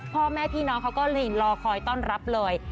พ่อแม่พี่น้องเขาก็รอคอยต้อนรับเลย